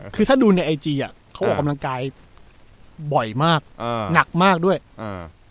คือถ้าดูในไอจีอ่ะเขาออกกำลังกายบ่อยมากอ่าหนักมากด้วยอ่า